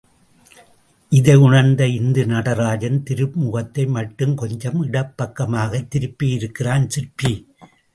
இதை உணர்ந்து இந்த நடராஜன் திருமுகத்தை மட்டும் கொஞ்சம் இடப்பக்கமாகத் திருப்பியிருக்கிறான் சிற்பி.